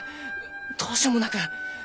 どうしようもなく。